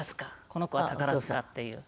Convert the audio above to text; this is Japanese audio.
この子は宝塚っていう。